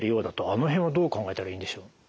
あの辺はどう考えたらいいんでしょう？